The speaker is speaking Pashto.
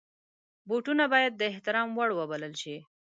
بوټونه باید د احترام وړ وبلل شي.